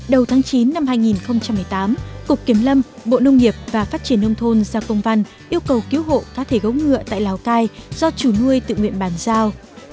đầu tháng chín năm hai nghìn một mươi tám cục kiểm lâm bộ nông nghiệp và phát triển nông thôn ra công văn yêu cầu cứu hộ cá thể gấu ngựa tại lào cai do chủ nuôi tự nguyện bàn giao